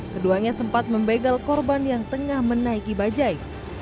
keduanya sempat membegal korban yang tengah menaiki bajai